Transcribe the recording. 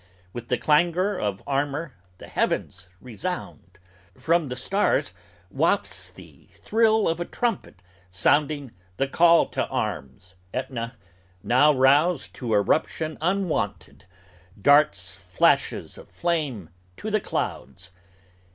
With the clangor of armor The heavens resound; from the stars wafts the thrill of a trumpet Sounding the call to arms. AEtna, now roused to eruption Unwonted, darts flashes of flame to the clouds.